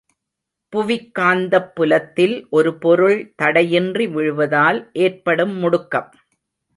புவிக் காந்தப் புலத்தில் ஒரு பொருள் தடையின்றி விழுவதால் ஏற்படும் முடுக்கம்.